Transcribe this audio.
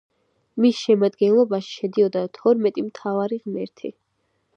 მის შემადგენლობაში შედიოდა თორმეტი მთავარი ღმერთი.